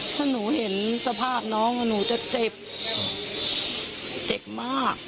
ถ้าหนูเห็นสภาพน้องหนูจะเจ็บเจ็บมาก